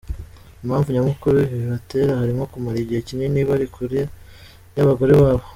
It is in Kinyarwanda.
Impamvu nyamukuru ibibatera harimo kumara igihe kinini bari kure y’abagore babo.